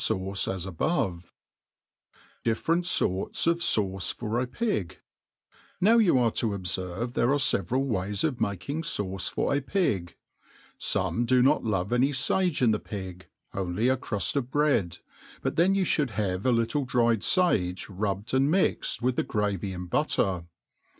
fauce 'as' ahbm T /; :t '•■)^ Diffprinf ftrts of Sauct for a Pigm NOW you arc*to^ obfcrvc there are feveralways of malcjng fauce for a pig* Sooie do not love any fage in the pig,, only a cruft of bread ;* but^then you (hould have a little dried fage rubbed and mixed with the gravy and butter.